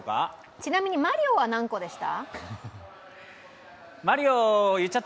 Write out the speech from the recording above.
ちなみにマリオは何個ですか？